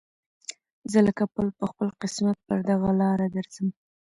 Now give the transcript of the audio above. زه لکه پل په خپل قسمت پر دغه لاره درځم